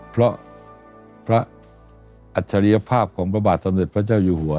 เพราะพระอัจฉริยภาพของพระบาทสมเด็จพระเจ้าอยู่หัว